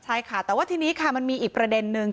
ใช่ค่ะแต่ว่าทีนี้ค่ะมันมีอีกประเด็นนึง